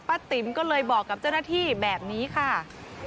ติ๋มก็เลยบอกกับเจ้าหน้าที่แบบนี้ค่ะ